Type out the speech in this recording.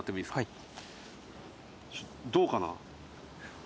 はい。